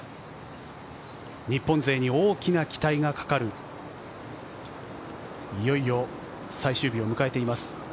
日本勢に大きな期待がかかる、いよいよ最終日を迎えています。